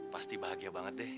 pasti bahagia banget deh